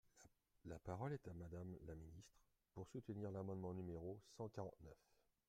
La parole est à Madame la ministre, pour soutenir l’amendement numéro cent quarante-neuf.